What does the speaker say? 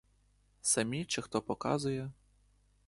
Самі, чи хто показує?